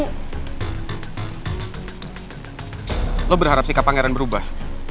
lo berharap sikap pangeran berubah